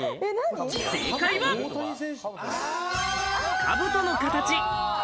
正解は、かぶとの形。